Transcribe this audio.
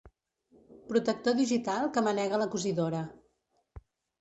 Protector digital que manega la cosidora.